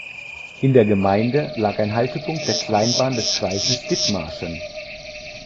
In der Gemeinde lag ein Haltepunkt der Kleinbahn des Kreises Dithmarschen.